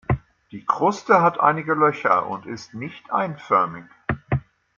Die Kruste hat einige Löcher und ist nicht einförmig.